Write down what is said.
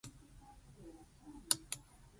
The year is that in which they first took command.